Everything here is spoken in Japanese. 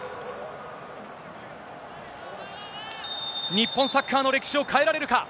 日本サッカーの歴史を変えられるか。